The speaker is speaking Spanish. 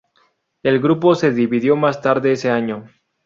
El grupo se dividió más tarde ese año.